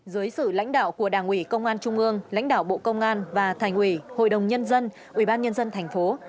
dưới sự lãnh đạo của đảng ủy công an trung ương lãnh đạo bộ công an và thành ủy hội đồng nhân dân ủy ban nhân dân thành phố